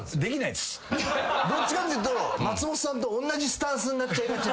どっちかっていうと松本さんと同じスタンスになっちゃいがち。